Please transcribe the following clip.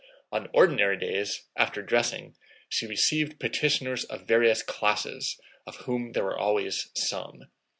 On ordinary days, after dressing, she received petitioners of various classes, of whom there were always some.